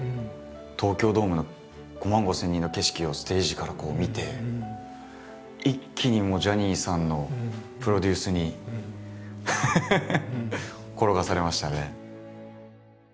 東京ドームの５万５，０００人の景色をステージからこう見て一気にジャニーさんのプロデュースに転がされましたね。